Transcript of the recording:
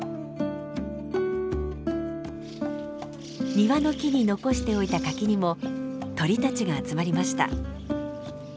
庭の木に残しておいた柿にも鳥たちが集まりました。